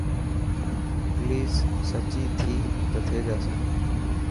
پوليس سچي ٿي ته ٿي جاسي.